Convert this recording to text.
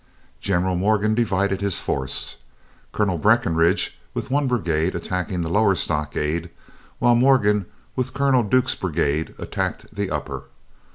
General Morgan divided his forces, Colonel Breckinridge with one brigade attacking the lower stockade, while Morgan with Colonel Duke's brigade attacked the upper.